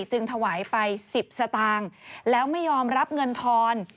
จึงถวายไป๑๐สตางค์แล้วไม่ยอมรับเงินทอน